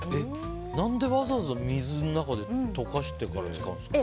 何で、わざわざ水の中で溶かしてから使うんですか。